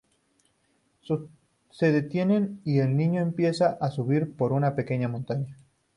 Se detienen, y el niño empieza a subir por una pequeña montaña.